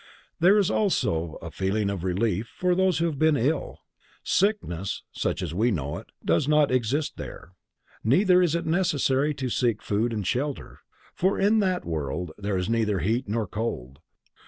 There is also a feeling of relief for those who have been ill. Sickness, such as we know it, does not exist there. Neither is it necessary to seek food and shelter, for in that world there is neither heat nor cold.